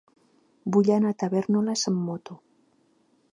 Vull anar a Tavèrnoles amb moto.